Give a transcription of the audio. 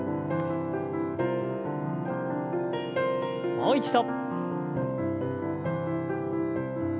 もう一度。